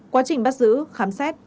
quá trình bắt giữ khám xét